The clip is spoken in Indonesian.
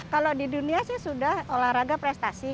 kalau di dunia sih sudah olahraga prestasi